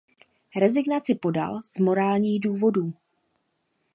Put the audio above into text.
Rezignaci podal "z morálních důvodů".